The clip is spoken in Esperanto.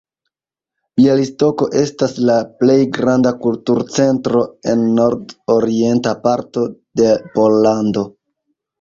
Bjalistoko estas la plej granda kulturcentro en nord-orienta parto de Pollando.